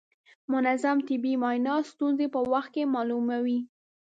منظم طبي معاینات ستونزې په وخت کې معلوموي.